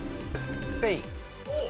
スペイン。